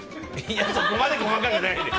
そこまで細かくないよ。